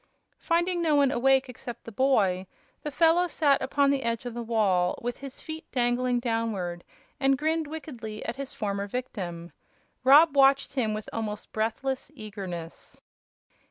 Finding no one awake except the boy the fellow sat upon the edge of the wall, with his feet dangling downward, and grinned wickedly at his former victim. Rob watched him with almost breathless eagerness.